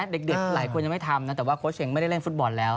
เด็กหลายคนยังไม่ทำนะแต่ว่าโค้ชเชงไม่ได้เล่นฟุตบอลแล้ว